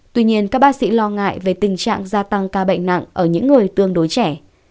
tuy nhiên các bác sĩ lo ngại về tình trạng gia tăng ca bệnh nặng ở những người tương đối trẻ